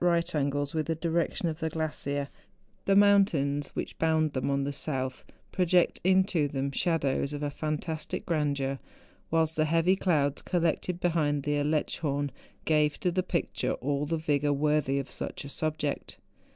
right angles with the direction of the glacier, the mountains which bound them on the south project into them shadows of a fantastic grandeur, whilst the heavy clouds collected behind the Aletschhorn, gave to the picture all the vigour worthy of such a subject.